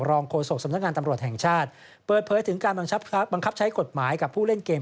โฆษกสำนักงานตำรวจแห่งชาติเปิดเผยถึงการบังคับใช้กฎหมายกับผู้เล่นเกม